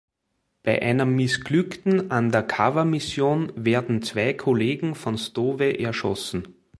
Bei einer missglückten Undercover-Mission werden zwei Kollegen von Stowe erschossen.